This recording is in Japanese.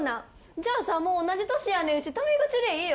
じゃあさもう同じ年やねんしタメ口でいいよ。